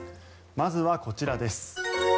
まずはこちらです。